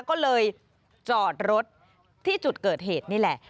ก็เลยจอดรถที่จุดเกิดเหตุนี่แหละ